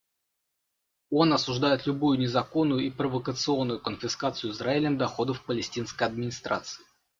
Он осуждает любую незаконную и провокационную конфискацию Израилем доходов Палестинской администрации.